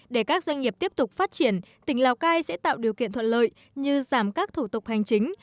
để các doanh nghiệp tiếp tục phát triển tỉnh lào cai sẽ tạo điều kiện thuận lợi như giảm các thủ tục hành chính